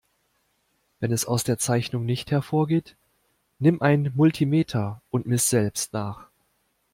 Wenn es aus der Zeichnung nicht hervorgeht, nimm ein Multimeter und miss selbst nach.